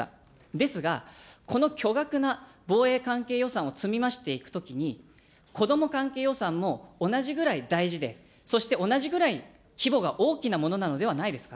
ですが、この巨額な防衛関係予算を積み増していくときに、こども関係予算も同じぐらい大事で、そして同じぐらい規模が大きなものなのではないですか。